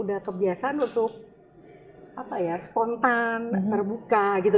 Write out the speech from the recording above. udah kebiasaan untuk apa ya spontan terbuka gitu